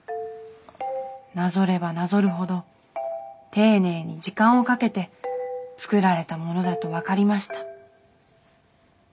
なぞればなぞるほど丁寧に時間をかけて作られたものだと分かりました。